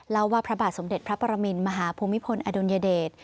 ว่าพระบาทสมเด็จพระปรมินมหาภูมิพลอดุลยเดช